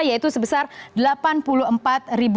yaitu sebesar rp delapan puluh empat ribu